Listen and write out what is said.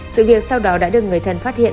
sự việc sau đó đã được người thân phát hiện